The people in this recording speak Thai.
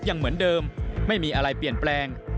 ยังเหมือนเดิมไม่มีอะไรเปลี่ยนแปลง